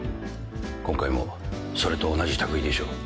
今回もそれと同じ類いでしょう。